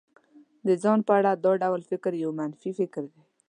د ځان په اړه دا ډول فکر يو منفي فکر دی.